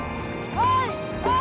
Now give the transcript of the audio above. おい